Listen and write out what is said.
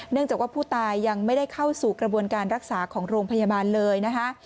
จากว่าผู้ตายยังไม่ได้เข้าสู่กระบวนการรักษาของโรงพยาบาลเลยนะคะ